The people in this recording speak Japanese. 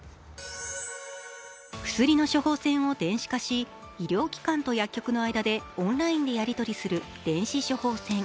薬の処方箋を電子化し医療機関と薬局の間でオンラインでやり取りする電子処方箋。